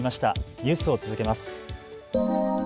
ニュースを続けます。